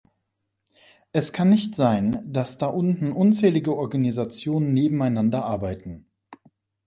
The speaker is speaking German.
Es kann nicht sein, dass da unten unzählige Organisationen nebeneinander arbeiten.